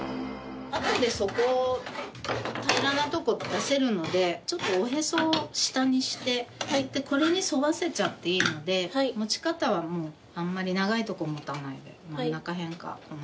後で底平らなとこ出せるのでちょっとおへそを下にしてこれにそわせちゃっていいので持ち方はあんまり長いとこ持たないで真ん中辺かこの辺で。